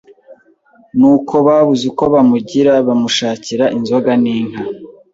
Nuko babuze uko bamugira bamushakira inzoga n' inka